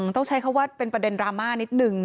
ต้องใช้คำว่าเป็นประเด็นดราม่านิดนึง